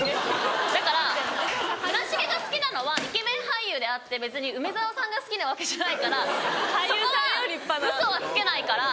だから村重が好きなのはイケメン俳優であって別に梅沢さんが好きなわけじゃないからそこはウソはつけないから。